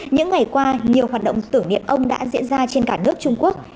những ngày qua nhiều hoạt động tử nghiệm ông đã diễn ra trên cả nước trung quốc